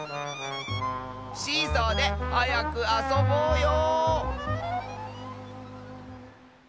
シーソーではやくあそぼうよ！